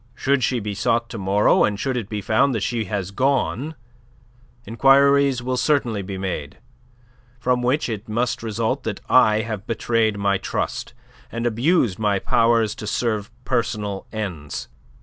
Should she be sought to morrow and should it be found that she has gone, enquiries will certainly be made, from which it must result that I have betrayed my trust, and abused my powers to serve personal ends.